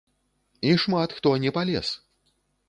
І шмат хто не палез!